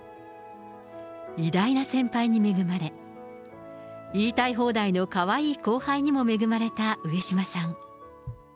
偉大な先輩に恵まれ、言いたい放題のかわいい後輩にも恵まれた上島さん。